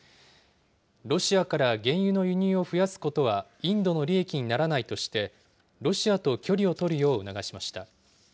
ロシアから原油の輸入を増やすことは、インドの利益にならないとして、ロシアと距離を取るよう促しました。